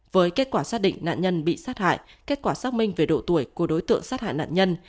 với kết quả xác định nạn nhân bị sát hại kết quả xác minh về độ tuổi của đối tượng sát hại nạn nhân